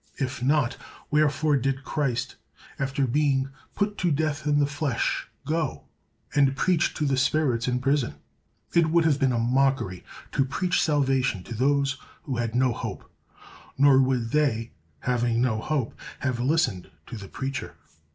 If not, wherefore did Christ, after being "put to death in the flesh," go and "preach to the spirits in prison"? It would have been a mockery to preach salvation to those who had no hope; nor would they, having no hope, have listened to the preacher.